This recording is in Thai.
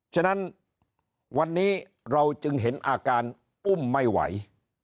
ฉะนั้นวันนี้เราจึงเห็นอาการอุ้มไม่ไหว